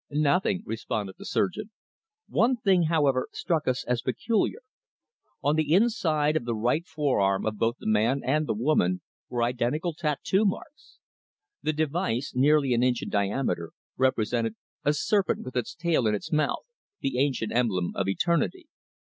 "Nothing," responded the surgeon. "One thing, however, struck us as peculiar. On the inside of the right forearm of both the man and the woman were identical tattoo marks. The device, nearly an inch in diameter, represented a serpent with its tail in its mouth, the ancient emblem of eternity.